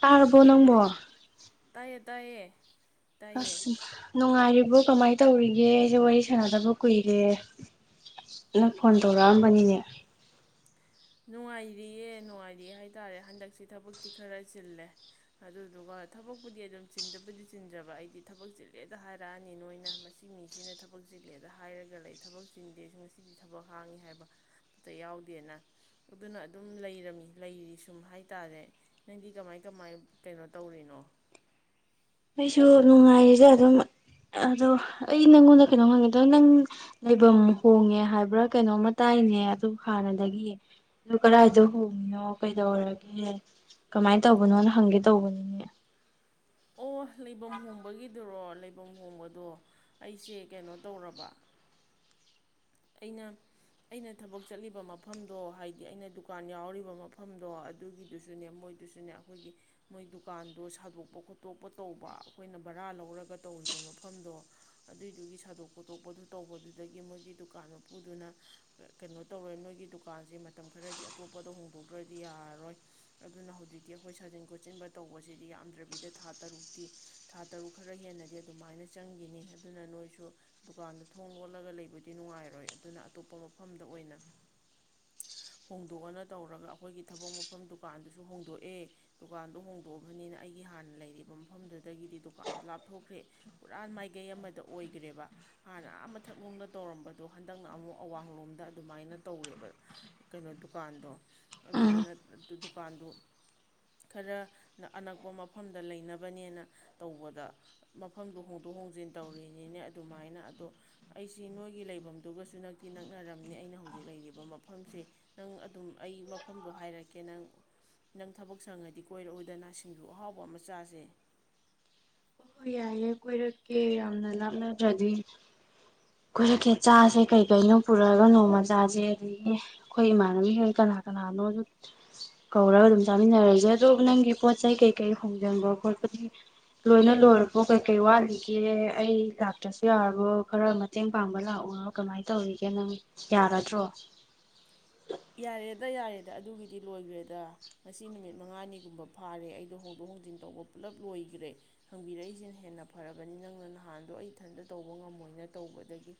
ꯇꯥꯔꯕꯣ ꯅꯪꯕꯣ ꯇꯌꯦ ꯇꯌꯦ ꯑꯁ ꯅꯨꯡꯉꯥꯏꯔꯤꯕꯣ ꯀꯃꯥꯏꯅ ꯇꯧꯔꯤꯒꯦ ꯑꯩꯁꯦ ꯋꯥꯔꯤ ꯁꯥꯟꯅꯗꯕ ꯀꯨꯏꯔꯦ ꯅꯪ ꯐꯣꯟ ꯇꯧꯔꯛꯑꯝꯕꯅꯤꯅꯦ ꯅꯨꯡꯉꯥꯏꯔꯤꯌꯦ ꯅꯨꯡꯉꯥꯏꯔꯤꯑꯦ ꯍꯥꯏ ꯇꯔꯦ ꯍꯟꯗꯛꯁꯤ ꯊꯕꯛꯇꯤ ꯈꯔ ꯆꯤꯜꯂꯦ ꯑꯗꯨꯗꯨꯒ ꯊꯕꯛꯄꯨꯗꯤ ꯑꯗꯨꯝ ꯆꯤꯟꯗꯕꯨꯗꯤ ꯆꯤꯟꯖꯕ ꯑꯩꯗꯤ ꯊꯕꯛ ꯆꯤꯜꯂꯦꯗ ꯍꯥꯏꯔꯛꯑꯅꯤ ꯅꯣꯏꯅ ꯃꯁꯤ ꯃꯤꯁꯤꯅ ꯊꯕꯛ ꯆꯤꯜꯂꯦꯗ ꯍꯥꯏꯔꯒ ꯂꯩ ꯊꯕꯛ ꯆꯤꯟꯗꯦꯁꯨ ꯉꯁꯤꯗꯤ ꯊꯕꯛ ꯍꯥꯡꯉꯤ ꯍꯥꯏꯕꯇ ꯌꯥꯎꯗꯦꯅ ꯑꯗꯨꯅ ꯑꯗꯨꯝ ꯂꯩꯔꯝꯃꯤ ꯂꯩꯔꯤ ꯁꯨꯝ ꯍꯥꯏ ꯇꯔꯦ ꯅꯪꯗꯤ ꯀꯃꯥꯏ ꯀꯃꯥꯏ ꯀꯩꯅꯣ ꯇꯧꯔꯤꯅꯣ ꯑꯩꯁꯨ ꯅꯨꯡꯉꯥꯏꯔꯤꯁꯦ ꯑꯗꯨꯝ ꯑꯗꯣ ꯑꯩ ꯅꯪꯉꯣꯟꯗ ꯀꯩꯅꯣ ꯍꯪꯉꯦꯗꯣ ꯅꯪ ꯂꯩꯐꯝ ꯍꯣꯡꯉꯦ ꯍꯥꯏꯕ꯭ꯔꯥ ꯀꯩꯅꯣꯝꯃ ꯇꯥꯏꯅꯦ ꯑꯗꯨ ꯍꯥꯟꯅꯗꯒꯤ ꯑꯗꯨ ꯀꯗꯥꯏꯗ ꯍꯣꯡꯉꯤꯅꯣ ꯀꯩꯗꯧꯔꯒꯦ ꯀꯃꯥꯏꯅ ꯇꯧꯕꯅꯣꯅ ꯍꯪꯒꯦ ꯇꯧꯕꯅꯤꯅꯦ ꯑꯣ ꯂꯩꯐꯝ ꯍꯣꯡꯕꯒꯤꯗꯨꯔꯣ ꯂꯩꯐꯝ ꯍꯣꯡꯕꯗꯣ ꯑꯩꯁꯦ ꯀꯩꯅꯣ ꯇꯧꯔꯕ ꯑꯩꯅ ꯑꯩꯅ ꯊꯕꯛ ꯆꯠꯂꯤꯕ ꯃꯐꯝꯗꯣ ꯍꯥꯏꯗꯤ ꯑꯩꯅ ꯗꯨꯀꯥꯟ ꯌꯥꯎꯔꯤꯕ ꯃꯐꯝꯗꯣ ꯑꯗꯨꯒꯤꯗꯨꯁꯨꯅꯦ ꯃꯣꯏꯗꯨꯁꯨꯅꯦ ꯑꯩꯈꯣꯏꯒꯤ ꯃꯣꯏ ꯗꯨꯀꯥꯟꯗꯣ ꯁꯥꯗꯣꯛꯄ ꯈꯣꯠꯇꯣꯛꯄ ꯇꯧꯕ ꯑꯩꯈꯣꯏꯅ ꯚꯔꯥ ꯂꯧꯔꯒ ꯇꯧꯔꯤꯕ ꯃꯐꯝꯗꯣ ꯑꯗꯨꯏꯗꯨꯒꯤ ꯁꯥꯗꯣꯛ ꯈꯣꯠꯇꯣꯛꯄꯗꯨ ꯇꯧꯕꯗꯨꯗꯒꯤ ꯃꯣꯏꯒꯤ ꯗꯨꯀꯥꯟ ꯗꯨꯀꯥꯟꯗ ꯄꯨꯗꯨꯅ ꯀꯩꯅꯣ ꯇꯧꯔꯣꯏ ꯅꯣꯏꯒꯤ ꯗꯨꯀꯥꯟꯁꯦ ꯃꯇꯝ ꯈꯔꯗꯤ ꯑꯇꯣꯞꯄꯗ ꯍꯣꯡꯗꯣꯛꯇ꯭ꯔꯗꯤ ꯌꯥꯔꯔꯣꯏ ꯑꯗꯨꯅ ꯍꯧꯖꯤꯛꯇꯤ ꯑꯩꯈꯣꯏ ꯁꯥꯖꯤꯟ ꯈꯣꯠꯆꯤꯟꯕ ꯇꯧꯕꯁꯤꯗꯤ ꯌꯥꯝꯗ꯭ꯔꯕꯤꯗ ꯊꯥ ꯇꯔꯨꯛꯇꯤ ꯊꯥ ꯇꯔꯨꯛ ꯈꯔ ꯍꯦꯟꯅꯗꯤ ꯑꯗꯨꯃꯥꯏꯅ ꯆꯪꯈꯤꯅꯤ ꯑꯗꯨꯅ ꯅꯣꯏꯁꯨ ꯗꯨꯀꯥꯟꯗ ꯊꯣꯡ ꯂꯣꯠꯂꯒ ꯂꯩꯕꯗꯤ ꯅꯨꯡꯉꯥꯏꯔ ꯌꯥꯔꯣꯏ ꯑꯗꯨꯅ ꯑꯇꯣꯞꯄ ꯃꯐꯝꯗ ꯑꯣꯏꯅ ꯍꯣꯡꯗꯣꯛꯑꯅ ꯇꯧꯔꯒ ꯑꯩꯈꯣꯏꯒꯤ ꯊꯕꯛ ꯃꯐꯝ ꯗꯨꯀꯥꯟꯗꯨꯁꯨ ꯍꯣꯡꯗꯣꯛꯑꯦ ꯗꯨꯀꯥꯟꯗꯣ ꯍꯣꯡꯗꯣꯛꯑꯕꯅꯤꯅ ꯑꯩꯒꯤ ꯍꯥꯟꯅ ꯂꯩꯔꯤꯕ ꯃꯐꯝꯗꯨꯗꯒꯤꯗꯤ ꯗꯨꯀꯥꯟꯗꯣ ꯂꯥꯞꯊꯣꯛꯈ꯭ꯔꯦ ꯄꯨꯔꯥ ꯃꯥꯏꯀꯩ ꯑꯃꯗ ꯑꯣꯏꯈ꯭ꯔꯦꯕ ꯍꯥꯟꯅ ꯃꯊꯛꯅꯨꯡꯗ ꯇꯧꯔꯝꯕ ꯑꯗꯣ ꯍꯟꯗꯛꯅ ꯑꯃꯨꯛ ꯑꯋꯥꯡꯂꯣꯝꯗ ꯑꯗꯨꯃꯥꯏꯅ ꯇꯧꯔꯦꯕ ꯀꯩꯅꯣ ꯗꯨꯀꯥꯟꯗꯣ ꯎꯝ ꯑꯗꯨꯗꯨꯅ ꯗꯨꯀꯥꯟꯗꯣ ꯈꯔ ꯑꯅꯛꯄ ꯃꯐꯝꯗ ꯂꯩꯅꯕꯅꯦꯅ ꯇꯧꯕꯗ ꯃꯐꯝꯗꯣ ꯍꯣꯡꯗꯣꯛ ꯍꯣꯡꯖꯤꯟ ꯇꯧꯔꯤꯅꯤꯅꯦ ꯑꯗꯨꯃꯥꯏꯅ ꯑꯗꯣ ꯑꯩꯁꯤ ꯅꯣꯏꯒꯤ ꯂꯩ ꯐꯝꯗꯨꯒꯁꯨ ꯅꯛꯇꯤ ꯅꯛꯅꯔꯝꯅꯤ ꯑꯩꯅ ꯍꯧꯖꯤꯛ ꯂꯩꯔꯤꯕ ꯃꯐꯝꯁꯦ ꯅꯪ ꯑꯗꯨꯝ ꯑꯩ ꯃꯐꯝꯗꯣ ꯍꯥꯏꯔꯛꯀꯦ ꯅꯪ ꯅꯪ ꯊꯕꯛ ꯁꯪꯉꯗꯤ ꯀꯣꯏꯔꯛꯑꯣꯏꯗꯅ ꯁꯤꯡꯖꯨ ꯑꯍꯥꯎꯕ ꯑꯃ ꯆꯥꯁꯦ ꯑꯣꯣꯏ ꯌꯥꯏꯌꯦꯏ ꯀꯣꯏꯔꯛꯀꯦ ꯌꯥꯝꯅ ꯂꯥꯞꯅꯗ꯭ꯔꯗꯤ ꯑꯩꯣꯏꯖꯤꯀꯦꯠ ꯆꯥꯁꯦ ꯀꯩꯀꯩꯅꯣ ꯄꯨꯔꯛꯑꯒ ꯅꯣꯡꯃ ꯆꯥꯁꯦ ꯑꯗꯒꯤ ꯑꯩꯈꯣꯏ ꯏꯃꯥꯟꯅꯕꯤꯈꯩ ꯀꯅꯥ ꯀꯅꯥꯅꯣ ꯀꯧꯔꯒ ꯑꯗꯨꯝ ꯆꯥꯃꯤꯟꯅꯔꯁꯦ ꯑꯗꯣ ꯅꯪꯒꯤ ꯄꯣꯠ ꯆꯩ ꯀꯩꯀꯩ ꯍꯣꯡꯖꯤꯟꯕ ꯈꯣꯠꯄꯗꯤ ꯂꯣꯏꯅ ꯂꯣꯏꯔꯛꯄꯣ ꯀꯩꯀꯩ ꯋꯥꯠꯂꯤꯒꯦ ꯑꯩ ꯂꯥꯛꯇ꯭ꯔꯁꯨ ꯌꯥꯔꯕꯣ ꯈꯔ ꯃꯇꯦꯡ ꯄꯥꯡꯕ ꯂꯥꯛꯎꯅꯣ ꯀꯃꯥꯏꯅ ꯇꯧꯔꯤꯒꯦ ꯅꯪ ꯌꯥꯔꯗ꯭ꯔꯣ ꯌꯥꯔꯦꯗ ꯌꯥꯔꯦꯗ ꯑꯗꯨꯒꯤꯗꯤ ꯂꯣꯏꯈ꯭ꯔꯦꯗ ꯉꯁꯤ ꯅꯨꯃꯤꯠ ꯃꯉꯥꯅꯤꯒꯨꯝꯕ ꯐꯥꯔꯦ ꯑꯩꯗꯣ ꯍꯣꯡꯗꯣꯛ ꯍꯣꯡꯖꯤꯟ ꯇꯧꯕ ꯄꯨꯜꯂꯞ ꯂꯣꯏꯈ꯭ꯔꯦ ꯍꯪꯕꯤꯔꯛꯏꯁꯤꯅ ꯍꯦꯟꯅ ꯐꯔꯕꯅꯤ ꯅꯪꯅ ꯅꯍꯥꯟꯗꯣ ꯑꯩ ꯏꯊꯟꯇ ꯇꯧꯕ ꯉꯝꯃꯣꯏꯅ ꯇꯧꯕꯗꯒꯤ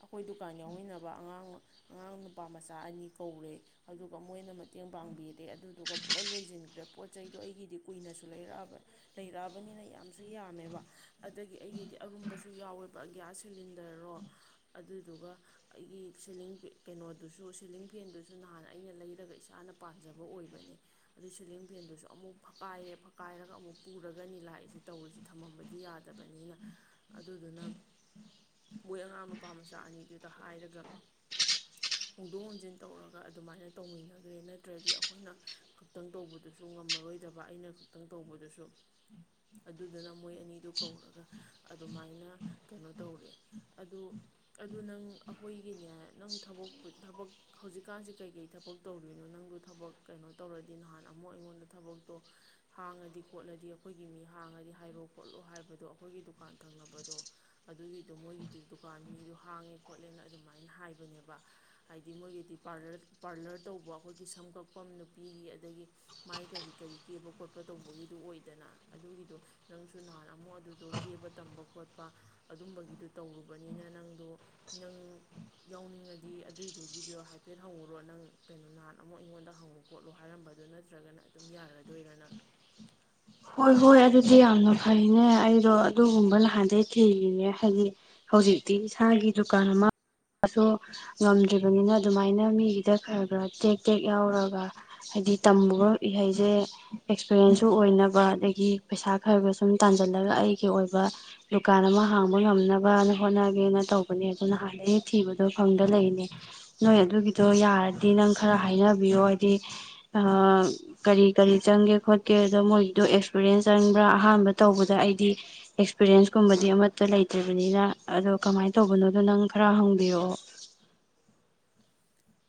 ꯑꯩꯈꯣꯏ ꯗꯨꯀꯥꯟ ꯌꯥꯎꯃꯤꯟꯅꯕ ꯑꯉꯥꯡ ꯑ [unintelligible] ꯅꯨꯄꯥꯃꯆꯥ ꯑꯅꯤ ꯀꯧꯔꯦ ꯑꯗꯨꯒ ꯃꯣꯏꯅ ꯃꯇꯦꯡ ꯄꯥꯡꯕꯤꯔꯦ ꯑꯗꯨꯗꯨꯒ ꯄꯨꯂꯞ ꯂꯣꯏꯁꯤꯟꯈ꯭ꯔꯦ ꯄꯣꯠ ꯆꯩꯗꯣ ꯑꯩꯒꯤꯗꯤ ꯀꯨꯏꯅꯁꯨ ꯂꯩꯔꯛꯑꯕ ꯂꯩꯔꯛꯑꯕꯅꯤꯅ ꯌꯥꯝꯁꯨ ꯌꯥꯝꯃꯦꯕ ꯑꯗꯒꯤ ꯑꯩꯒꯤꯗꯤ ꯑꯔꯨꯝꯕꯁꯨ ꯌꯥꯎꯋꯦꯕ ꯒ꯭ꯌꯥꯁ ꯁꯤꯂꯤꯟꯗ ꯑꯣ ꯑꯗꯨꯗꯨꯒ ꯑꯩꯒꯤ ꯁꯤꯂꯤꯡ ꯀꯩꯅꯣ ꯑꯗꯨꯁꯨ ꯁꯤꯂꯤꯡ ꯐꯦꯟꯗꯨꯁꯨ ꯅꯍꯥꯟ ꯑꯩꯅ ꯂꯩꯔꯒ ꯏꯁꯥꯅ ꯄꯥꯟꯝꯖꯕ ꯑꯣꯏꯕꯅꯦ ꯑꯗꯨ ꯁꯤꯂꯤꯡ ꯐꯦꯟꯗꯨꯁꯨ ꯑꯃꯨꯛ ꯐꯛꯀꯥꯏꯔꯦ ꯐꯛꯀꯥꯏꯔꯒ ꯑꯃꯨꯛ ꯄꯨꯔꯒꯅꯤ ꯂꯥꯛꯏꯁꯤ ꯇꯧꯔꯤꯁꯤ ꯊꯝꯃꯝꯕꯗꯤ ꯌꯥꯗꯕꯅꯤꯅ ꯑꯗꯨꯗꯨꯅ ꯃꯣꯏ ꯑꯉꯥꯡ ꯅꯨꯄꯥ ꯃꯆꯥ ꯑꯅꯤꯗꯨꯗ ꯍꯥꯏꯔꯒ ꯍꯣꯡꯗꯣꯛ ꯍꯣꯡꯖꯤꯟ ꯇꯧꯔꯒ ꯑꯗꯨꯃꯥꯏꯅ ꯇꯧꯃꯤꯟꯅꯈ꯭ꯔꯦ ꯅꯠꯇ꯭ꯔꯗꯤ ꯑꯩꯈꯣꯏꯅ ꯈꯛꯇꯪ ꯇꯧꯕꯗꯨꯁꯨ ꯉꯝꯃꯔꯣꯏꯗꯕ ꯑꯩꯅ ꯈꯛꯇꯪ ꯇꯧꯕꯗꯨꯁꯨ ꯑꯗꯨꯗꯨꯅ ꯃꯣꯏ ꯑꯅꯤꯗꯨ ꯀꯧꯔꯒ ꯑꯗꯨꯃꯥꯏꯅ ꯀꯩꯅꯣ ꯇꯧꯔꯦ ꯑꯗꯨ ꯑꯗꯨ ꯅꯪ ꯑꯩꯈꯣꯏꯒꯤꯅꯦ ꯅꯪ ꯊꯕꯛ ꯊꯕꯛ ꯍꯧꯖꯤꯛꯀꯥꯟꯁꯤ ꯀꯩꯀꯩ ꯊꯕꯛ ꯇꯧꯔꯤꯅꯣ ꯅꯪꯗ ꯊꯕꯛ ꯀꯩꯅꯣ ꯇꯧꯔꯗꯤ ꯅꯍꯥꯟ ꯑꯃꯨꯛ ꯑꯩꯉꯣꯟꯗ ꯊꯕꯛꯇꯣ ꯍꯥꯡꯉꯗꯤ ꯈꯣꯠꯂꯗꯤ ꯑꯩꯈꯣꯏꯒꯤ ꯃꯤ ꯍꯥꯡꯉꯗꯤ ꯍꯥꯏꯔꯣ ꯈꯣꯠꯂꯣ ꯍꯥꯏꯕꯗꯣ ꯑꯩꯈꯣꯏꯒꯤ ꯗꯨꯀꯥꯟ ꯊꯪꯅꯕꯗꯣ ꯑꯗꯨꯒꯤꯗꯣ ꯃꯣꯏꯒꯤꯗꯨ ꯗꯨꯀꯥꯟ ꯃꯤꯗꯣ ꯍꯥꯡꯉꯦ ꯈꯣꯠꯂꯦꯅ ꯑꯗꯨꯃꯥꯏꯅ ꯍꯥꯏꯕꯅꯦꯕ ꯍꯥꯏꯗꯤ ꯃꯣꯏꯒꯤꯗꯤ ꯄꯥꯔꯂꯔ ꯇꯧꯕ ꯑꯩꯈꯣꯏꯒꯤ ꯁꯝꯀꯛꯐꯝ ꯅꯨꯄꯤꯒꯤ ꯑꯗꯒꯤ ꯃꯥꯏ ꯀꯔꯤ ꯀꯔꯤ ꯀꯦꯕ ꯈꯣꯠꯄ ꯇꯧꯕꯒꯤꯗꯨ ꯑꯣꯏꯗꯅ ꯑꯗꯨꯒꯤꯗꯣ ꯅꯪꯁꯨ ꯅꯍꯥꯟ ꯑꯃꯨꯛ ꯑꯗꯨꯗꯣ ꯀꯦꯕ ꯇꯝꯕ ꯈꯣꯠꯄ ꯑꯗꯨꯝꯕꯒꯤꯗꯨ ꯇꯧꯔꯨꯕꯅꯤꯅ ꯅꯪꯗꯣ ꯅꯪ ꯌꯥꯎꯅꯤꯡꯉ ꯗꯤ ꯑꯗꯨꯏꯗꯨꯒꯤꯗꯣ ꯍꯥꯏꯐꯦꯠ ꯍꯪꯉꯨꯔꯣ ꯅꯪ ꯀꯩꯅꯣ ꯅꯍꯥꯟ ꯑꯃꯨꯛ ꯑꯩꯉꯣꯟꯗ ꯍꯪꯉꯨ ꯈꯣꯠꯂꯨ ꯍꯥꯏꯔꯝꯕꯗꯣ ꯅꯠꯇ꯭ꯔꯒꯅ ꯑꯗꯨꯝ ꯌꯥꯔꯗꯣꯏꯔꯥ ꯅꯪ ꯍꯣꯏ ꯍꯣꯏ ꯑꯗꯨꯗꯤ ꯌꯥꯝꯅ ꯐꯩꯅꯦ ꯑꯩꯗꯣ ꯑꯗꯨꯒꯨꯝꯕ ꯅꯍꯥꯟꯗꯩ ꯊꯤꯔꯤꯅꯦ ꯍꯥꯏꯗꯤ ꯍꯧꯖꯤꯛꯇꯤ ꯏꯁꯥꯒꯤ ꯗꯨꯀꯥꯟ ꯑꯃꯁꯨ ꯉꯝꯗ꯭ꯔꯤꯕꯅꯤꯅ ꯑꯗꯨꯃꯥꯏꯅ ꯃꯤꯒꯤꯗ ꯈꯔ ꯈꯔ ꯇꯦꯛ ꯇꯦꯛ ꯌꯥꯎꯔꯒ ꯍꯥꯏꯗꯤ ꯇꯝꯃꯒ ꯏꯍꯩꯁꯦ ꯑꯦꯛꯁꯄꯔꯌꯦꯦꯟꯁꯁꯨ ꯑꯣꯏꯅꯕ ꯑꯗꯒꯤ ꯄꯩꯁꯥ ꯈꯔ ꯈꯔ ꯁꯨꯝ ꯇꯥꯟꯖꯜꯂꯒ ꯑꯩꯒꯤ ꯑꯣꯏꯕ ꯗꯨꯀꯥꯟ ꯑꯃ ꯍꯥꯡꯕ ꯉꯝꯅꯕꯅ ꯍꯣꯠꯅꯒꯦꯅ ꯇꯧꯕꯅꯦ ꯑꯗꯣ ꯅꯍꯥꯟꯗꯩ ꯊꯤꯕꯗꯣ ꯐꯪꯗ ꯂꯩꯅꯦ ꯅꯣꯏ ꯑꯗꯨꯒꯤꯗꯣ ꯌꯥꯔꯗꯤ ꯅꯪ ꯈꯔ ꯍꯥꯏꯅꯕꯤꯌꯣ ꯍꯥꯏꯗꯤ ꯀꯔꯤ ꯀꯔꯤ ꯆꯪꯒꯦ ꯈꯣꯠꯀꯦ ꯑꯗꯣ ꯃꯣꯏ ꯑꯗꯨꯗꯣ ꯑꯦꯛꯁꯄꯤꯔꯤꯌꯦꯟꯁ ꯆꯪꯕ꯭ꯔꯥ ꯑꯍꯥꯟꯕ ꯇꯧꯕꯗ ꯑꯩꯗꯤ ꯑꯦꯛꯁꯄꯤꯔꯌꯦꯟꯁꯀꯨꯝꯕꯗꯤ ꯑꯃꯠꯇ ꯂꯩꯇ꯭ꯔꯤꯕꯅꯤꯅ ꯑꯗꯣ ꯀꯃꯥꯏꯅ ꯇꯧꯕꯅꯣꯗꯣ ꯅꯪ ꯈꯔ ꯍꯪꯕꯤꯔꯛꯑꯣ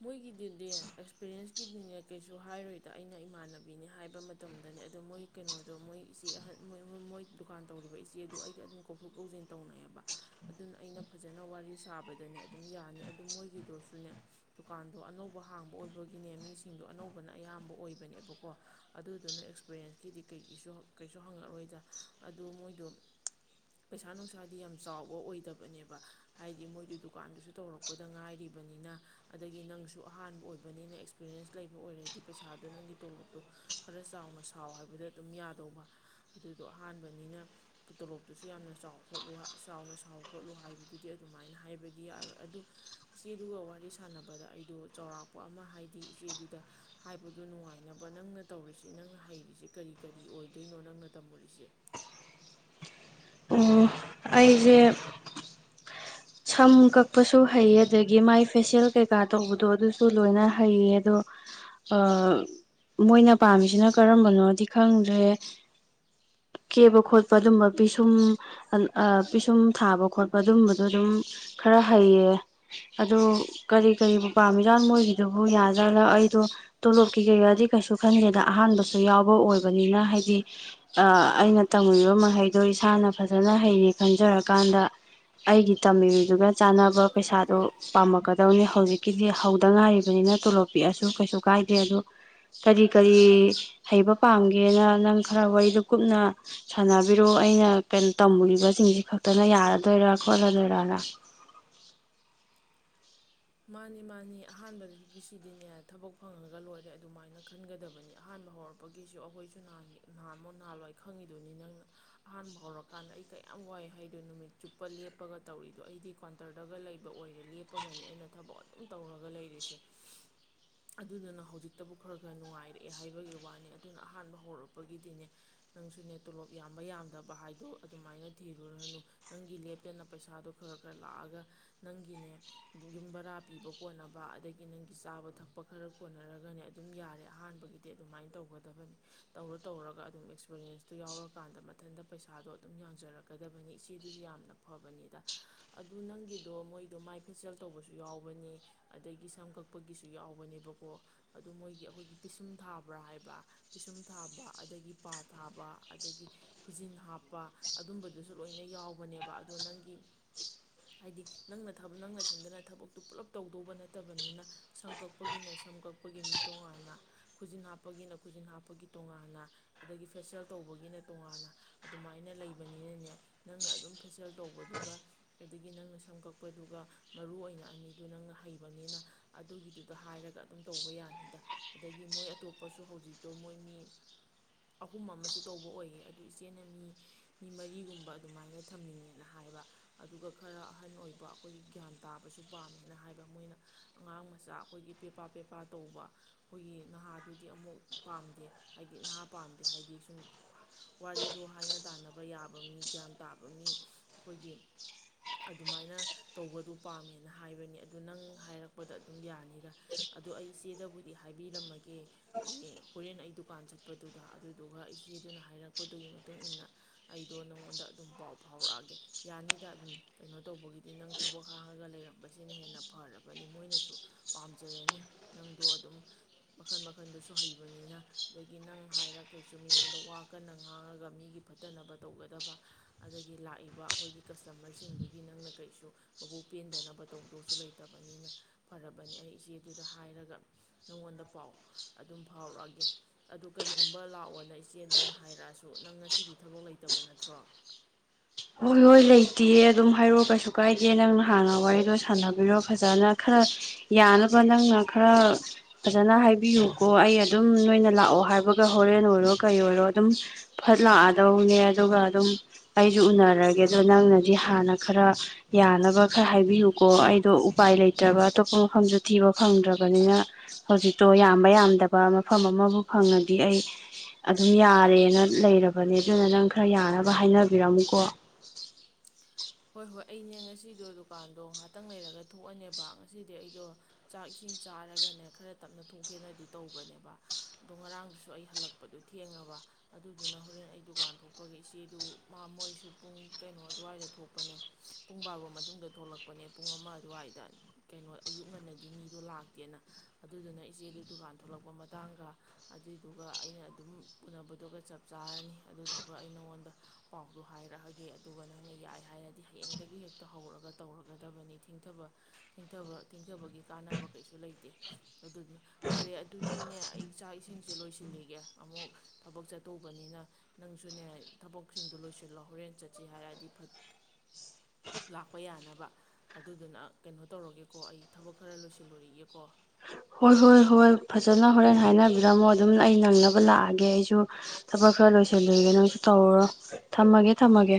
ꯃꯣꯏꯒꯤꯗꯨꯗꯤ ꯑꯦꯛꯁꯄꯤꯔꯔꯤꯌꯦꯟꯁ ꯀꯤꯗꯤꯅꯦ ꯀꯩꯁꯨ ꯍꯥꯏꯔꯣꯏꯗ ꯑꯩꯅ ꯏꯃꯥꯟꯅꯕꯤꯅꯦ ꯍꯥꯏꯕ ꯃꯇꯝꯗꯅꯦ ꯑꯗꯣ ꯃꯣꯏ ꯀꯩꯅꯣꯗꯣ ꯃꯣꯏ ꯏꯆꯦ ꯑꯍꯟꯣꯏ ꯃꯣꯏ ꯗꯨꯀꯥꯟ ꯇꯧꯔꯤꯕ ꯏꯆꯦꯗꯣ ꯑꯩꯒ ꯑꯗꯨꯝ ꯀꯧꯊꯣꯛ ꯀꯧꯁꯤꯟ ꯇꯧꯅꯩꯑꯕ ꯑꯗꯨꯅ ꯑꯩꯅ ꯐꯖꯅ ꯋꯥꯔꯤ ꯁꯥꯕꯗꯅꯦ ꯑꯗꯨꯝ ꯌꯥꯅꯤ ꯑꯗꯨ ꯃꯣꯏꯒꯤꯗꯣꯁꯨꯅꯦ ꯗꯨꯀꯥꯟꯗꯣ ꯑꯅꯧꯕ ꯍꯥꯡꯕ ꯑꯣꯏꯕꯒꯤꯅꯦ ꯃꯤꯁꯤꯡꯗꯣ ꯑꯅꯧꯕꯅ ꯑꯌꯥꯝꯕ ꯑꯣꯏꯕꯅꯦꯕꯀꯣ ꯑꯗꯨꯗꯨꯅ ꯑꯦꯛꯁꯄꯔꯌꯦꯦꯟꯁꯀꯤꯗꯤ ꯀꯩꯒꯤꯁꯨ ꯀꯩꯁꯨ ꯍꯪꯉꯛꯔꯣꯏꯗ ꯑꯗꯨ ꯃꯣꯏꯗꯣ ꯄꯩꯁꯥ ꯅꯨꯡꯁꯥꯗꯤ ꯌꯥꯝ ꯆꯥꯎꯕ ꯑꯣꯏꯗꯕꯅꯦꯕ ꯍꯥꯏꯗꯤ ꯃꯣꯏꯗꯨ ꯗꯨꯀꯥꯟꯗꯨꯁꯨ ꯇꯧꯔꯛꯄꯗ ꯉꯥꯏꯔꯤꯕꯅꯤꯅ ꯑꯗꯒꯤ ꯅꯪꯁꯨ ꯑꯍꯥꯟꯕ ꯑꯣꯏꯕꯅꯤꯅ ꯑꯦꯛꯁꯄꯤꯔꯤꯌꯦꯟꯁ ꯂꯩꯕ ꯑꯣꯏꯔꯗꯤ ꯄꯩꯁꯥꯗꯣ ꯅꯪꯒꯤ ꯇꯣꯂꯣꯞꯇꯣ ꯈꯔ ꯆꯥꯎꯅ ꯁꯥꯎ ꯍꯥꯏꯕꯗ ꯑꯗꯨꯝ ꯌꯥꯗꯧꯕ ꯑꯗꯨꯗꯣ ꯑꯍꯥꯟꯕꯅꯤꯅ ꯇꯣꯂꯣꯞꯇꯨꯁꯨ ꯌꯥꯝꯅ ꯆꯥꯎ ꯈꯣꯠꯂꯨ ꯆꯥꯎꯅ ꯁꯥꯎ ꯈꯣꯠꯂꯨ ꯍꯥꯏꯕꯗꯨꯗꯤ ꯑꯗꯨꯃꯥꯏꯅ ꯍꯥꯏꯕꯗꯤ ꯌꯥꯔꯣꯏ ꯑꯗꯨ ꯏꯆꯦ ꯑꯗꯨꯒ ꯋꯥꯔꯤ ꯁ ꯁꯥꯟꯅꯕꯗ ꯑꯩꯗꯣ ꯆꯥꯎꯔꯥꯛꯄ ꯑꯃ ꯍꯥꯏꯗꯤ ꯏꯆꯦꯗꯨꯗ ꯍꯥꯏꯕꯗꯨ ꯅꯨꯡꯉꯥꯏꯅꯕ ꯅꯪꯅ ꯇꯧꯔꯤꯁꯤ ꯅꯪꯅ ꯍꯩꯔꯤꯁ ꯀꯔꯤ ꯀꯔꯤ ꯑꯣꯏꯗꯣꯏꯅꯣ ꯅꯪꯅ ꯇꯝꯃꯨꯔꯤꯁꯦ ꯑꯣ ꯑꯩꯁꯦ ꯁꯝ ꯀꯛꯄꯁꯨ ꯍꯩꯌꯦ ꯑꯗꯒꯤ ꯃꯥꯏ ꯐꯦꯁꯤꯜ ꯀꯩꯀꯥ ꯇꯧꯕꯗꯣ ꯑꯗꯨꯁꯨ ꯂꯣꯏꯅ ꯍꯩꯌꯦ ꯑꯗꯣ ꯑꯥ ꯃꯣꯏꯅ ꯄꯥꯝꯃꯤꯁꯤꯅ ꯀꯔꯝꯕꯅꯣꯗꯤ ꯈꯪꯗ꯭ꯔꯦ ꯀꯦꯕ ꯈꯣꯠꯄ ꯑꯗꯨꯝꯕ ꯄꯤꯁꯨꯝ ꯄꯤꯁꯨꯝ ꯊꯥꯕ ꯈꯣꯠꯄ ꯑꯗꯨꯝꯕꯗꯣ ꯑꯗꯨꯝ ꯈꯔ ꯍꯩꯌꯦ ꯑꯗꯨ ꯀꯔꯤ ꯀꯔꯤꯕꯨ ꯄꯥꯝꯃꯤꯖ ꯃꯣꯏꯒꯤꯗꯨꯕꯨ ꯌꯥꯖꯂꯥ ꯑꯩꯗꯣ ꯇꯣꯂꯣꯞꯀꯤ ꯀꯩꯔꯗꯤ ꯀꯩꯁꯨ ꯈꯟꯗꯦꯗ ꯑꯍꯥꯟꯕꯁꯨ ꯌꯥꯎꯕ ꯑꯣꯏꯕꯅꯤꯅ ꯍꯥꯏꯗꯤ ꯑꯩꯅ ꯇꯝꯃꯤꯕ ꯃꯍꯩꯗꯣ ꯏꯁꯥꯅ ꯐꯖꯅ ꯍꯩꯌꯦ ꯈꯟꯖꯔꯀꯥꯟꯗ ꯑꯩꯒꯤ ꯇꯝꯃꯤꯔꯤꯗꯨꯒ ꯆꯥꯟꯅꯕ ꯄꯩꯁꯥꯗꯣ ꯄꯥꯝꯃꯛꯀꯗꯧꯅꯦ ꯍꯧꯖꯤꯛꯀꯤꯗꯤ ꯍꯧꯗ ꯉꯥꯏꯔꯤꯕꯅꯤꯅ ꯇꯣꯂꯣꯞ ꯄꯤꯛꯑꯁꯨ ꯀꯩꯁꯨ ꯀꯥꯏꯗꯦ ꯑꯗꯣ ꯀꯔꯤ ꯀꯔꯤ ꯍꯩꯕ ꯄꯥꯝꯒꯦꯅ ꯅꯪ ꯈꯔ ꯋꯥꯔꯤꯗꯣ ꯀꯨꯞꯅ ꯁꯥꯟꯅꯕꯤꯔꯣ ꯑꯩꯅ [unintelligible] ꯇꯝꯃꯨꯔꯤꯕꯁꯤꯡꯁꯤ ꯈꯛꯇꯅ ꯌꯥꯔꯗꯣꯏꯔꯥ ꯈꯣꯠꯂꯗꯣꯏꯔꯥ꯫ [unintelligible] ꯃꯥꯅꯤ ꯃꯥꯅꯤ ꯑꯍꯥꯟꯕꯒꯤꯁꯤꯗꯤꯅꯦ ꯊꯕꯛ ꯐꯪꯉꯒ ꯂꯣꯏꯔꯦ ꯑꯗꯨꯃꯥꯏꯅ ꯈꯟꯒꯗꯕꯅꯤ ꯑꯍꯥꯟꯕ ꯍꯧꯔꯛꯄꯒꯤꯁꯨ ꯑꯩꯈꯣꯏꯁꯨꯅꯍꯥꯟꯒꯤ ꯅꯍꯥꯟꯃꯣ ꯅꯍꯥꯥꯟꯂꯣꯏ ꯈꯪꯉꯤꯗꯨꯅꯤ ꯅꯪ ꯑꯍꯥꯟꯕ ꯍꯧꯔꯛꯀꯥꯟꯗ ꯑꯩ ꯀꯌꯥꯝ ꯋꯥꯏ ꯍꯥꯏꯗꯣꯏ ꯅꯨꯃꯤꯠ ꯆꯨꯞꯄ ꯂꯦꯞꯄꯒ ꯇꯧꯔꯤꯗꯣ ꯑꯩꯗꯤ ꯀ꯭ꯋꯥꯟꯇ꯭ꯔꯗꯒ ꯂꯩꯕ ꯑꯣꯏꯔꯦ ꯂꯦꯞꯄꯒꯅꯤ ꯑꯩꯅ ꯊꯕꯛ ꯑꯗꯨꯝ ꯇꯧꯔꯒ ꯂꯩꯔꯤꯁꯦ ꯑꯗꯨꯗꯨꯅ ꯍꯧꯖꯤꯛꯇꯕꯨ ꯈꯔ ꯈꯔ ꯅꯨꯡꯉꯥꯏꯔꯛꯑꯦ ꯍꯥꯏꯕꯒꯤ ꯋꯥꯅꯤ ꯑꯗꯨꯅ ꯑꯍꯥꯟꯕ ꯍꯧꯔꯛꯄꯒꯤꯗꯤꯅꯦ ꯅꯪꯁꯨꯅꯦ ꯇꯣꯂꯣꯞ ꯌꯥꯝꯕ ꯌꯥꯝꯗꯕ ꯍꯥꯏꯗꯣ ꯑꯗꯨꯃꯥꯏꯅ ꯊꯤꯔꯨꯔꯅꯨ ꯅꯪꯒꯤ ꯂꯦꯞꯇꯅ ꯄꯩꯁꯥꯗꯣ ꯈꯔ ꯈꯔ ꯂꯥꯛꯑꯒ ꯅꯪꯒꯤꯅꯦ ꯌꯨꯝ ꯚꯔꯥ ꯄꯤꯕ ꯀꯣꯟꯅꯕ ꯑꯗꯒꯤ ꯅꯪꯒꯤ ꯆꯥꯕ ꯊꯛꯄ ꯈꯔ ꯀꯣꯟꯅꯔꯒꯅꯦ ꯑꯗꯨꯝ ꯌꯥꯔꯦ ꯑꯍꯥꯟꯕꯒꯤꯗꯤ ꯑꯗꯨꯃꯥꯏꯅ ꯇꯧꯒꯗꯕꯅꯤ ꯇꯧꯔ ꯇꯧꯔꯒ ꯑꯗꯨꯝ ꯑꯦꯛꯁꯄꯔꯤꯌꯦꯟꯁꯇꯨ ꯌꯥꯎꯔꯀꯥꯟꯗ ꯃꯊꯟꯗ ꯄꯩꯁꯥꯗꯣ ꯑꯗꯨꯝ ꯌꯥꯡꯖꯔꯛꯀꯗꯕꯅꯤ ꯏꯆꯦꯗꯨꯁꯨ ꯌꯥꯝꯅ ꯐꯕꯅꯤꯗ ꯑꯗꯨ ꯅꯪꯒꯤꯗꯣ ꯃꯣꯏꯗꯣ ꯃꯥꯏ ꯐꯦꯁꯦ ꯇꯧꯕꯁꯨ ꯌꯥꯎꯕꯅꯤ ꯑꯗꯒꯤ ꯁꯝ ꯀꯛꯄꯒꯤꯁꯨ ꯌꯥꯎꯕꯅꯦꯕꯀꯣ ꯑꯗꯨ ꯃꯣꯏꯒꯤ ꯑꯩꯈꯣꯏꯒꯤ ꯄꯤꯁꯨꯝ ꯊꯥꯕ꯭ꯔꯥ ꯍꯥꯏꯕ ꯄꯤꯁꯨꯝ ꯊꯥꯕ ꯑꯗꯒꯤ ꯄꯥ ꯊꯥꯕ ꯑꯗꯒꯤ ꯈꯨꯖꯤꯟ ꯍꯥꯞꯄ ꯑꯗꯨꯝꯕꯗꯨꯁꯨ ꯂꯣꯏꯅ ꯌꯥꯎꯕꯅꯦꯕ ꯑꯗꯣ ꯅꯪꯒꯤ ꯍꯥꯏꯗꯤ ꯅꯪꯅ ꯊꯕ- ꯅꯪꯅ ꯅꯊꯟꯗꯅ ꯊꯕꯛꯇꯨ ꯄꯨꯜꯂꯞ ꯇꯧꯗꯧꯕ ꯅꯠꯇꯕꯅꯤꯅ ꯁꯝ ꯀꯛꯄꯒꯤꯅ ꯁꯝ ꯀꯛꯄꯒꯤ ꯃꯤ ꯇꯣꯉꯥꯟꯅ ꯈꯨꯖꯤꯟ ꯍꯥꯞꯄꯒꯤꯅ ꯈꯨꯖꯤꯟ ꯍꯥꯞꯄꯒꯤ ꯇꯣꯉꯥꯟꯅ ꯑꯗꯒꯤ ꯐꯦꯁꯦꯜ ꯇꯧꯕꯒꯤꯅ ꯇꯣꯉꯥꯟꯅ ꯑꯗꯨꯃꯥꯏꯅ ꯂꯩꯕꯅꯤꯅꯅꯦ ꯅꯪꯅ ꯑꯗꯨꯝ ꯐꯦꯁꯦꯜ ꯇꯧꯕꯗꯨꯒ ꯑꯗꯒꯤ ꯅꯪꯅ ꯁꯝ ꯀꯛꯄꯗꯨꯒ꯫ ꯃꯔꯨ ꯑꯣꯏꯅ ꯑꯅꯤꯗꯨ ꯅꯪꯅ ꯍꯩꯕꯅꯤꯅ ꯑꯗꯨꯒꯤꯗꯨꯗ ꯍꯥꯏꯔꯒ ꯑꯗꯨꯝ ꯇꯧꯕ ꯌꯥꯅꯤꯗ ꯑꯗꯒꯤ ꯃꯣꯏ ꯑꯇꯣꯞꯄꯁꯨ ꯍꯧꯖꯤꯛꯇꯣ ꯃꯣꯏ ꯃꯤ ꯑꯍꯨꯝ ꯑꯃꯁꯨ ꯇꯧꯕ ꯑꯣꯏꯌꯦ ꯑꯗꯨ ꯏꯆꯦꯅ ꯃꯤ ꯃꯤ ꯃꯔꯤꯒꯨꯝꯕ ꯑꯗꯨꯃꯥꯏꯅ ꯊꯝꯅꯤꯡꯉꯦꯅ ꯍꯥꯏꯕ ꯑꯗꯨꯒ ꯈꯔ ꯑꯍꯟ ꯑꯣꯏꯕ ꯑꯩꯈꯣꯏꯒꯤ ꯒ꯭ꯌꯥꯟ ꯇꯥꯕꯁꯨ ꯄꯥꯝꯃꯦꯅ ꯍꯥꯏꯕ ꯃꯣꯏꯅ ꯑꯉꯥꯡ ꯃꯆꯥ ꯑꯩꯈꯣꯏꯒꯤ ꯄꯦꯄꯥ ꯄꯦꯄꯥ ꯇꯧꯕ ꯑꯩꯈꯣꯏꯒꯤ ꯅꯍꯥꯗꯨꯗꯤ ꯑꯃꯨꯛ ꯄꯥꯝꯗꯦ ꯍꯥꯏꯗꯤ ꯅꯍꯥ ꯄꯥꯝꯗꯦ ꯍꯥꯏꯗꯤ ꯁꯨꯝ ꯋꯥꯔꯤꯗꯣ ꯍꯥꯏꯅ ꯇꯥꯟꯅꯕ ꯌꯥꯕ ꯃꯤ ꯒ꯭ꯌꯥꯟ ꯇꯥꯕ ꯃꯤ ꯑꯩꯈꯣꯏꯒꯤ ꯑꯗꯨꯃꯥꯏꯅ ꯇꯧꯕꯗꯨ ꯄꯥꯝꯃꯦꯅ ꯍꯥꯏꯕꯅꯤ ꯑꯗꯨ ꯅꯪ ꯍꯥꯏꯔꯛꯄꯗ ꯑꯗꯨꯝ ꯌꯥꯅꯤꯗ ꯑꯗꯣ ꯑꯩ ꯏꯆꯦꯗꯕꯨꯗꯤ ꯍꯥꯏꯕꯤꯔꯝꯃꯒꯦ ꯍꯌꯦꯡ ꯍꯨꯔꯦꯟ ꯑꯩ ꯗꯨꯀꯥꯟ ꯆꯠꯄꯗꯨꯗ ꯑꯗꯨꯗꯨꯒ ꯏꯆꯦꯗꯨꯅ ꯍꯥꯏꯔꯛꯄꯗꯨꯒꯤ ꯃꯇꯨꯡꯏꯟꯅ ꯑꯩꯗꯣ ꯅꯪꯉꯣꯟꯗ ꯑꯗꯨꯝ ꯄꯥꯎ ꯐꯥꯎꯔꯛꯑꯒꯦ ꯌꯥꯅꯤꯗ ꯑꯗꯨꯝ ꯀꯩꯅꯣ ꯇꯧꯕꯒꯤꯗꯤ ꯅꯪ ꯊꯕꯛ ꯍꯥꯡꯉꯒ ꯂꯩꯔꯝꯕꯁꯤꯅ ꯍꯦꯟꯅ ꯐꯔꯕꯅꯤ ꯃꯣꯏꯅꯁꯨ ꯄꯥꯝꯖꯔꯅꯤ ꯅꯪꯗꯣ ꯑꯗꯨꯝ ꯃꯈꯟ ꯃꯈꯟꯗꯁꯨ ꯍꯩꯕꯅꯤꯅ ꯑꯗꯒꯤ ꯅꯪ ꯍꯥꯏꯔ ꯀꯩꯁꯨ ꯃꯤꯉꯣꯟꯗ ꯋꯥ ꯀꯟꯅ ꯉꯥꯡꯉꯒ ꯃꯤꯒꯤ ꯐꯠꯇꯅꯕ ꯇꯧꯒꯗꯕ ꯑꯗꯒꯤ ꯂꯥꯛꯏꯕ ꯑꯩꯈꯣꯏꯒꯤ ꯀꯁꯇꯃ꯭ꯔꯁꯤꯡꯗꯨꯒꯤ ꯅꯪꯅ ꯀꯩꯁꯨ ꯃꯕꯨꯛ ꯄꯦꯟꯗꯅꯕ ꯇꯧꯗꯧꯁꯨ ꯂꯩꯇꯕꯅꯤꯅ ꯐꯔꯕꯅꯤ ꯑꯩ ꯏꯆꯦꯗꯨꯗ ꯍꯥꯏꯔꯒ ꯅꯪꯉꯣꯟꯗ ꯄꯥꯎ ꯑꯗꯨꯝ ꯐꯥꯎꯔꯛꯑꯒꯦ ꯑꯗꯨ ꯀꯔꯤꯒꯨꯝꯕ ꯂꯥꯛꯑꯣꯅ ꯏꯆꯦꯗꯨꯅ ꯍꯥꯏꯔꯛꯑꯁꯨ ꯅꯪ ꯉꯁꯤꯗꯤ ꯊꯕꯛ ꯂꯩꯇꯕ ꯅꯠꯇ꯭ꯔꯣ꯫ ꯍꯣꯏ ꯍꯣꯏ ꯂꯩꯇꯦ ꯑꯗꯨꯝ ꯍꯥꯏꯔꯣ ꯀꯩꯁꯨ ꯀꯥꯏꯗꯦ ꯅꯪꯅ ꯍꯥꯟꯅ ꯋꯥꯔꯤꯗꯣ ꯁꯥꯟꯅꯕꯤꯔꯣ ꯐꯖꯅ ꯈꯔ ꯌꯥꯅꯕ ꯅꯪꯅ ꯈꯔ ꯐꯖꯅ ꯍꯥꯏꯕꯤꯌꯨꯀꯣ ꯑꯩ ꯑꯗꯨꯝ ꯅꯣꯏꯅ ꯂꯥꯛꯑꯣ ꯍꯥꯏꯕꯒ ꯍꯣꯔꯦꯟ ꯑꯣꯏꯔꯣ ꯀꯩ ꯑꯣꯏꯔꯣ ꯑꯗꯨꯝ ꯐꯠ ꯂꯥꯛꯑꯗꯧꯅꯦ ꯑꯗꯨꯒ ꯑꯗꯨꯝ ꯑꯩ [unintelligible] ꯎꯅꯔꯒꯦ ꯑꯗꯣ ꯅꯪꯅꯗꯤ ꯍꯥꯟꯅ ꯈꯔ ꯌꯥꯅꯕ ꯈꯔ ꯍꯥꯏꯕꯤꯌꯨꯀꯣ ꯑꯩꯗꯣ ꯎꯄꯥꯏ ꯂꯩꯇ꯭ꯔꯕ ꯑꯇꯣꯞꯄ ꯃꯐꯝꯖꯨ ꯊꯤꯕ ꯐꯪꯗ꯭ꯔꯕꯅꯤꯅ ꯍꯧꯖꯤꯛꯇꯣ ꯌꯥꯝꯕ ꯌꯥꯝꯗꯕ ꯃꯐꯝ ꯑꯃꯕꯨ ꯐꯪꯉꯗꯤ ꯑꯩ ꯑꯗꯨꯝ ꯌꯥꯔꯦꯅ ꯂꯩꯔꯕꯅꯦ ꯑꯗꯨꯅ ꯅꯪ ꯈꯔ ꯌꯥꯅꯕ ꯍꯥꯏꯅ [unintelligible] ꯍꯣꯏ ꯍꯣꯏ ꯑꯩꯅꯦ ꯉꯁꯤꯗꯣ ꯗꯨꯀꯥꯟꯗꯣ ꯉꯍꯥꯛꯇꯪ ꯂꯩꯔꯒ ꯊꯣꯛꯑꯅꯦꯕ ꯉꯁꯤꯗꯤ ꯑꯩꯗꯣ ꯆꯥꯛ ꯏꯁꯤꯡ ꯆꯥꯔꯒꯅꯦ ꯈꯔ ꯇꯞꯅ ꯊꯣꯛꯀꯦꯅꯗꯤ ꯇꯧꯕꯅꯦꯕ ꯑꯗꯣ ꯉꯔꯥꯡꯗꯨꯁꯨ ꯑꯩ ꯍꯜꯂꯛꯄꯗꯣ ꯊꯦꯡꯉꯕ ꯑꯗꯨꯗꯨꯅ ꯍꯣꯔꯦꯟ ꯑꯩ ꯗꯨꯀꯥꯟ ꯊꯣꯛꯄꯒ ꯏꯆꯦꯗꯨ ꯃꯥ ꯃꯣꯏꯁꯨ ꯄꯨꯡ ꯀꯩꯅꯣ ꯑꯗꯨꯋꯥꯏꯗ ꯊꯣꯛ ꯂꯛꯄꯅꯦ ꯄꯨꯡ ꯕꯥꯔꯣ ꯃꯇꯨꯡꯗ ꯊꯣꯛꯂꯛꯄꯅꯦ ꯄꯨꯡ ꯑꯃ ꯑꯗꯨꯋꯥꯏꯗ ꯀꯩꯅꯣ ꯑꯌꯨꯛ ꯉꯟꯅꯗꯤ ꯃꯤꯗꯣ ꯂꯥꯛꯇꯦꯅ ꯑꯗꯨꯗꯨꯅ ꯏꯆꯦꯗꯨ ꯗꯨꯀꯥꯟ ꯊꯣꯛꯂꯛꯄ ꯃꯇꯥꯡꯒ ꯑꯗꯨꯏꯗꯨꯒ ꯑꯩꯅ ꯑꯗꯨꯝ ꯎꯅꯕꯗꯨꯒ ꯆꯞ ꯆꯥꯔꯅꯤ ꯑꯗꯨꯗꯨꯒ ꯑꯩ ꯅꯥꯉꯣꯟꯗ ꯄꯥꯎꯗꯣ ꯍꯥꯏꯔꯛꯑꯒꯦ ꯑꯗꯨꯒ ꯅꯪꯅ ꯌꯥꯏ ꯍꯥꯏꯔꯗꯤ ꯍꯌꯦꯡꯗꯒꯤ ꯍꯦꯛꯇ ꯍꯧꯔꯒ ꯇꯧꯔꯒꯗꯕꯅꯤ ꯊꯦꯡꯊꯕ ꯊꯦꯡꯊꯕ ꯊꯦꯡꯊꯕꯒꯤ ꯀꯥꯟꯅꯕ ꯀꯩꯁꯨ ꯂꯩꯇꯦ ꯑꯗꯨꯗꯨꯅ ꯐꯔꯦ ꯑꯗꯨꯗꯤꯅꯦ ꯑꯩ ꯆꯥꯛ ꯏꯁꯤꯡꯁꯦ ꯂꯣꯏꯁꯤꯜꯂꯤꯒꯦ ꯑꯃꯨꯛ ꯊꯕꯛ ꯆꯠꯇꯧꯕꯅꯤꯅ ꯅꯪꯁꯨꯅꯦ ꯊꯕꯛꯁꯤꯡꯗꯣ ꯂꯣꯏꯁꯤꯜꯂꯣ ꯍꯣꯔꯦꯟ ꯆꯠꯁꯤ ꯍꯥꯏꯔꯗꯤ ꯐꯠ ꯂꯥꯛꯄ ꯌꯥꯅꯕ ꯑꯗꯨꯗꯨꯅ ꯀꯩꯅꯣ ꯇꯧꯔꯒꯦꯀꯣ ꯑꯩ ꯊꯕꯛ ꯈꯔ ꯂꯣꯏꯁꯤꯜꯂꯨꯔꯤꯒꯦꯀꯣ꯫ ꯍꯣꯏ ꯍꯣꯏ ꯍꯣꯏ ꯐꯖꯅ ꯍꯣꯔꯦꯟ ꯍꯥꯏꯅꯕꯤꯔꯝꯃꯣ ꯑꯗꯨꯝ ꯑꯩ ꯅꯪꯅꯕ ꯂꯥꯛꯑꯒꯦ ꯑꯩꯁꯨ ꯊꯕꯛ ꯈꯔ ꯂꯣꯏꯁꯤꯜꯂꯨꯒꯤꯒꯦ ꯅꯪꯁꯨ ꯇꯧꯔꯨꯔꯣ ꯊꯝꯃꯒꯦ ꯊꯝꯃꯒꯦ꯫